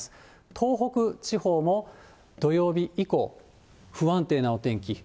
東北地方も土曜日以降、不安定なお天気。